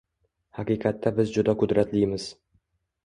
Haqiqatda biz juda qudratlimiz